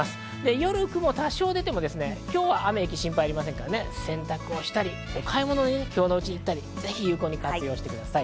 夜、雲が多少出ても、今日は雨雪の心配はありませんから洗濯をしたり、お買い物に今日のうちに行ったり、ぜひ有効に活用してください。